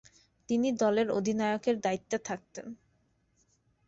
তিনি দলের অধিনায়কের দায়িত্বে থাকতেন।